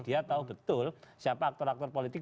dia tahu betul siapa aktor aktor politik